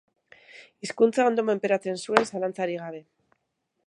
Hizkuntza ondo menperatzen zuen, zalantzarik gabe.